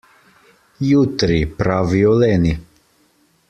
Jutri, pravijo leni.